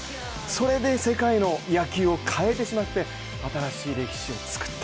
それで世界の野球を変えてしまって新しい歴史を作った。